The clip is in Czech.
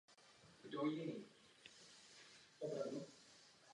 Některé druhy mají unikátní přizpůsobení na ochranu před býložravci.